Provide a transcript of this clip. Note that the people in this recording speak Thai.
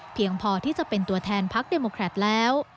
เพียงพอที่จะเป็นตัวแทนภักดิ์เดมโมแครตแล้ว